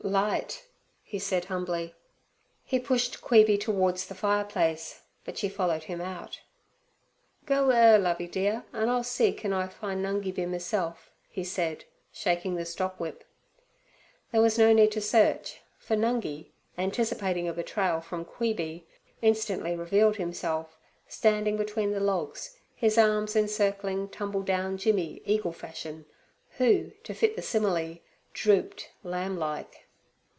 'Light,' said he humbly. He pushed Queeby towards the fireplace, but she followed him out. 'Go wi' 'er, Lovey dear, an' I'll see kin I fin' Nungi be meself,' he said, shaking the stockwhip. There was no need to search, for Nungi, anticipating a betrayal from Queeby, instantly revealed himself, standing between the logs, his arms encircling Tumble down Jimmy eagle fashion, who, to fit the simile, drooped lamb like.